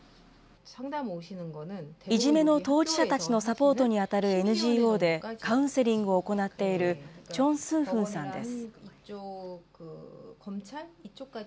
いじめの当事者たちのサポートに当たるＮＧＯで、カウンセリングを行っているチョン・スンフンさんです。